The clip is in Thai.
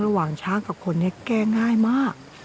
ระหว่างช้างกับคนนี้แก้ง่ายมาก